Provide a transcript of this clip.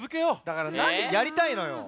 だからなんでやりたいのよ。